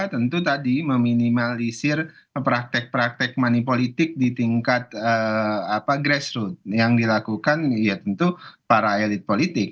tentu tadi meminimalisir praktek praktek money politik di tingkat grassroot yang dilakukan ya tentu para elit politik